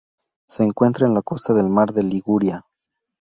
Se encuentra en la costa del mar de Liguria.